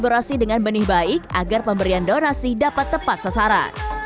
kolaborasi dengan benih baik agar pemberian donasi dapat tepat sasaran